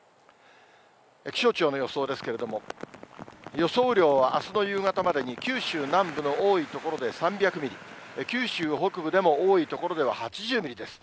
気象庁の予想ですけれども、予想雨量はあすの夕方までに九州南部の多い所で３００ミリ、九州北部でも多い所では８０ミリです。